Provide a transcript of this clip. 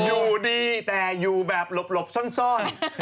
อยู่ดีแต่อยู่แบบหลบซ่อน